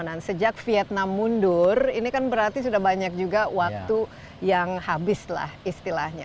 nah sejak vietnam mundur ini kan berarti sudah banyak juga waktu yang habis lah istilahnya